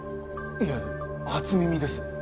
いえ初耳です。